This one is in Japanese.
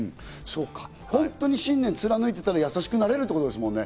本当に信念を貫いていたら優しくなれるってことですもんね。